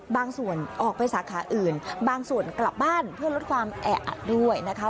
บางส่วนออกไปสาขาอื่นบางส่วนกลับบ้านเพื่อลดความแออัดด้วยนะคะ